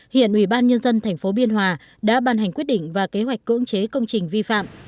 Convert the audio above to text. hiện ubnd tp biên hòa đã bàn hành quyết định và kế hoạch cưỡng chế công trình vi phạm